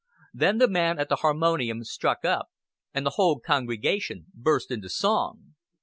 Then the man at the harmonium struck up, and the whole congregation burst into song.